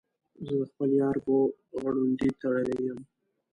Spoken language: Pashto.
زه د خپل یار په غړوندي تړلی یم.